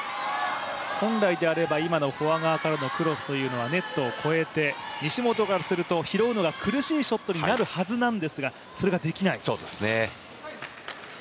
本来であれば今のフォア側からのクロスというのはネットを越えて西本からすると、拾うのが苦しいショットになるはずなんですがそれができない。